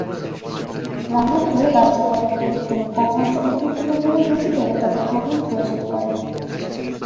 রান্নার তেল দাহ্য পদার্থ, তেলের তাপমাত্রা অতিরিক্ত পরিমাণে বৃদ্ধি পেলে তাতে আগুন ধরে যেতে পারে।